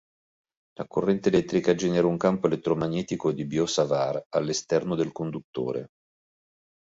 La corrente elettrica genera un campo elettromagnetico di Biot-Savart all'esterno del conduttore.